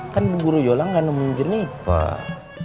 kan bu guru yola gak nemuin jeniper